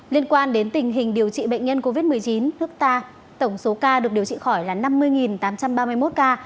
liên quan đến tình hình điều trị bệnh nhân covid một mươi chín nước ta tổng số ca được điều trị khỏi là năm mươi tám trăm ba mươi một ca